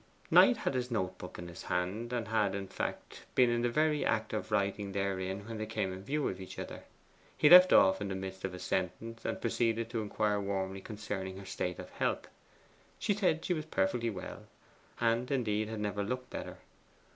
Knight had his note book in his hand, and had, in fact, been in the very act of writing therein when they came in view of each other. He left off in the midst of a sentence, and proceeded to inquire warmly concerning her state of health. She said she was perfectly well, and indeed had never looked better.